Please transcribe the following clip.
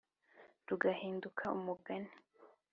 rugahinduka umugina.